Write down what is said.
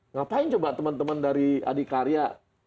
ngapain coba teman teman dari adikarya